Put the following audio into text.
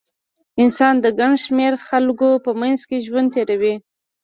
انسان د ګڼ شمېر خلکو په منځ کې ژوند تېروي.